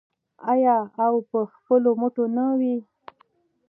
آیا او په خپلو مټو نه وي؟